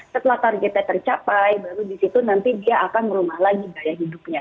setelah targetnya tercapai baru disitu nanti dia akan merumah lagi gaya hidupnya